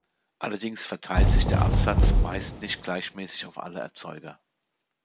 Allerdings verteilt sich der Absatz meist nicht gleichmäßig auf alle Erzeuger.